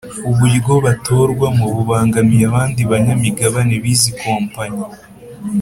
uburyo batorwamo bubangamiye abandi banyamigabane bizi kompanyi